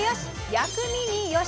薬味によし！」。